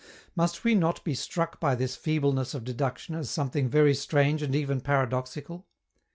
Must we not be struck by this feebleness of deduction as something very strange and even paradoxical?